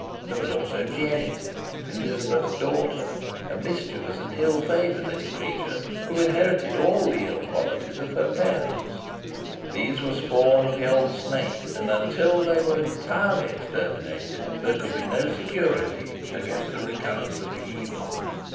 There was also Jennet, Elizabeth's daughter, a mischievous and ill favoured little creature, who inherited all the ill qualities of her parents. These were the spawn of the old snake, and, until they were entirely exterminated, there could be no security against a recurrence of the evil.